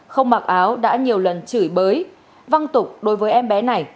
không mặc áo đã nhiều lần chửi bới văng tục đối với em bé này